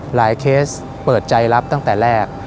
เคสเปิดใจรับตั้งแต่แรก